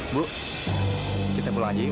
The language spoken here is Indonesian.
bu kita pulang aja